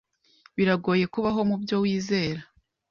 Biragoye kubaho mubyo wizera.